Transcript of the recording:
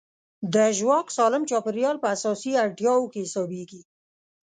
د ژواک سالم چاپېریال په اساسي اړتیاوو کې حسابېږي.